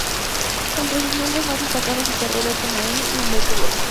Entre sus miembros más destacados están Roberto Maroni y Umberto Bossi.